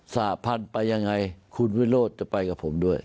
สาพันธุ์ไปยังไงคุณวิโรธจะไปกับผมด้วย